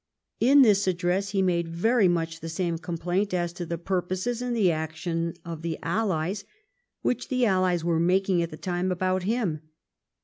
In this address he made very much the same complaint as to the purposes and the action of the allies which the allies were making at the time about him.